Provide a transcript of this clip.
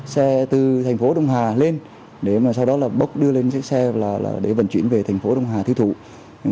xe từ thành phố đông hà lên để sau đó là bốc đưa lên xe xe để vận chuyển về thành phố đông hà thiêu thụ